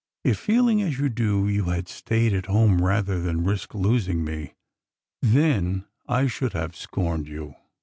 If, feeling as you do, you had stayed at home rather than risk losing me— then I should have scorned you.